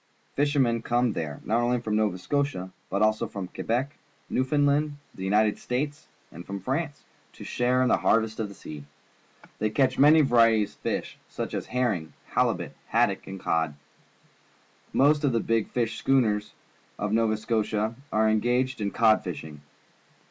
Fishermen come there, not only from Nova Scotia, but also from Que bec, Newioundland, the United States, and from France, to share in the harvest of the sea. Thej^ catch mam* varieties of fish. such as herring, halibut, haddock, and cod. Most of the big fishing schooners of Nova Scotia are engaged in cod fishing.